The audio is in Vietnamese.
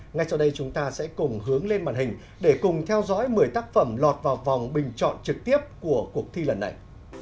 ngay sau đây chúng ta sẽ cùng hướng lên màn hình để cùng theo dõi một mươi tác phẩm lọt vào vòng bình chọn trực tiếp của cuộc thi lần này